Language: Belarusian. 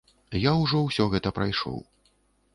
Я ўжо ўсё гэта прайшоў.